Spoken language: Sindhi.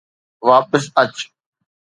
واپس اچ